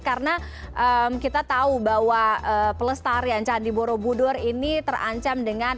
karena kita tahu bahwa pelestar yang candi borobudur ini terancam dengan